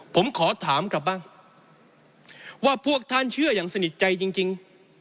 ผมขอถามกลับบ้างว่าพวกท่านเชื่ออย่างสนิทใจจริง